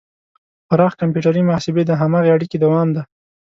پراخ کمپیوټري محاسبې د هماغې اړیکې دوام دی.